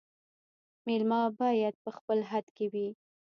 مېلمه باید په خپل حد کي وي